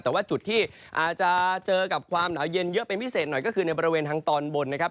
แต่ว่าจุดที่อาจจะเจอกับความหนาวเย็นเยอะเป็นพิเศษหน่อยก็คือในบริเวณทางตอนบนนะครับ